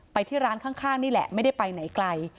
ไปที่ร้านข้างนี่แหละไม่ได้ไปไหนไกล